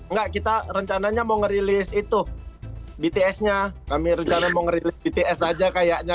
enggak kita rencananya mau ngerilis itu bts nya kami rencana mau ngerilis bts aja kayaknya